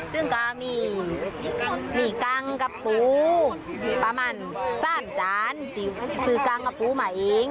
ซึ่งก็มีกังกับปูประมาณ๓จานที่ซื้อกังกับปูมาเอง